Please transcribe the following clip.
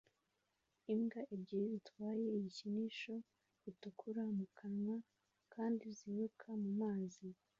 Imbwa ebyiri zitwaye igikinisho gitukura mu kanwa kandi ziruka mu mazi